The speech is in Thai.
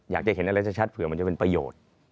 อยากจะเห็นอะไรชัดเผื่อมันจะเป็นประโยชน์